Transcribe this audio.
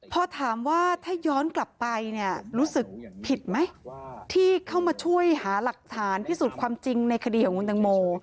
พอถามว่าถ้าย้อนกลับไปเนี่ยรู้สึกผิดไหมที่เข้ามาช่วยหาหลักฐานพิสูจน์ความจริงในคดีของคุณตังโม